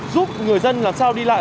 giúp người dân làm sao đi lại